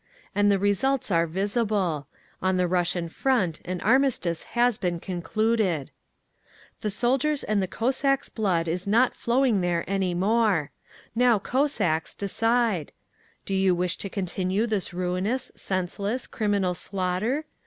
And the results are visible: ON THE RUSSIAN FRONT AN ARMISTICE HAS BEEN CONCLUDED. "The soldier's and the Cossack's blood is not flowing there any more. Now, Cossacks, decide: do you wish to continue this ruinous, senseless, criminal slaughter?